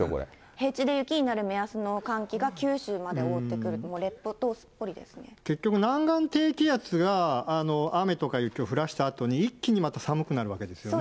平地で雪になる目安の寒気が九州まで覆ってくるので、結局南岸低気圧が、雨とか雪を降らしたあとに、一気にまた寒くなるわけですよね。